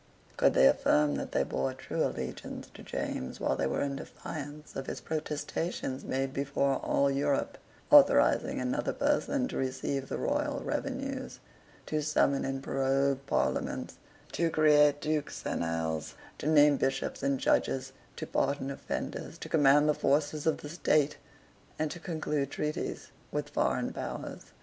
Could they affirm that they bore true allegiance to James while they were in defiance of his protestations made before all Europe, authorising another person to receive the royal revenues, to summon and prorogue parliaments, to create Dukes and Earls, to name Bishops and judges, to pardon offenders, to command the forces of the state, and to conclude treaties with foreign powers?